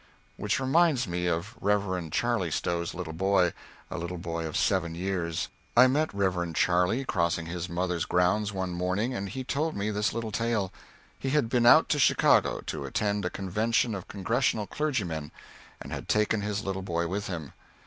Which reminds me of Rev. Charley Stowe's little boy a little boy of seven years. I met Rev. Charley crossing his mother's grounds one morning and he told me this little tale. He had been out to Chicago to attend a Convention of Congregational clergymen, and had taken his little boy with him.